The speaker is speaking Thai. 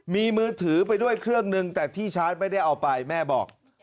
มีมือถือไปด้วยเครื่องนึงแต่ที่ชาร์จไม่ได้เอาไปแม่บอก